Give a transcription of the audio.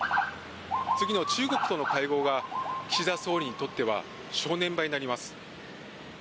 次の中国との会合が、岸田総理にとっては正念場になります。